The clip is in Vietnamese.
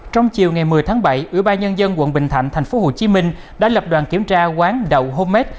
trong chiều ngày một mươi tháng bảy ủy ban nhân dân quận bình thạnh thành phố hồ chí minh đã lập đoàn kiểm tra quán đậu homemade